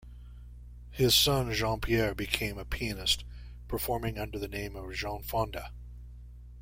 His son Jean-Pierre became a pianist performing under the name of Jean Fonda.